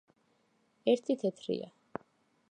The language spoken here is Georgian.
ერთი თეთრია.